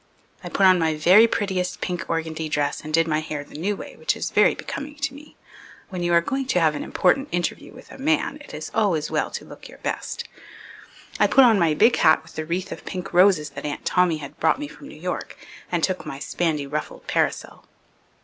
I put on my very prettiest pink organdie dress and did my hair the new way, which is very becoming to me. When you are going to have an important interview with a man it is always well to look your very best. I put on my big hat with the wreath of pink roses that Aunt Tommy had brought me from New York and took my spandy ruffled parasol.